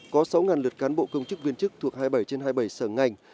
có sáu lượt cán bộ công chức viên chức thuộc hai mươi bảy trên hai mươi bảy sở ngành